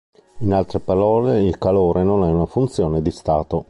In altre parole, il calore non è una funzione di stato.